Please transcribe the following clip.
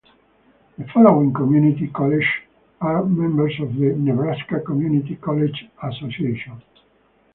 The following community colleges are members of the Nebraska Community College Association.